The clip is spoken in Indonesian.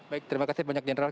baik terima kasih banyak general